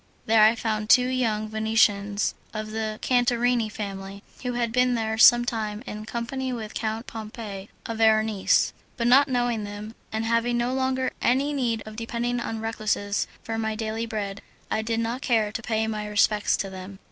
There I found two young Venetians of the Cantarini family, who had been there some time in company with Count Pompei, a Veronese; but not knowing them, and having no longer any need of depending on recluses for my daily bread, I did not care to pay my respects to them.